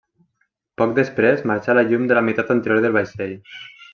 Poc després marxà la llum de la meitat anterior del vaixell.